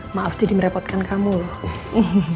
maaf jadi merepotkan kamu loh